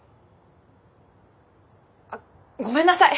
あっごめんなさい！